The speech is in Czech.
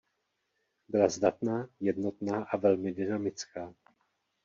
Byla zdatná, jednotná a velmi dynamická.